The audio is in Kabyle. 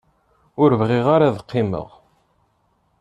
Ur bɣiɣ ara ad qqimeɣ.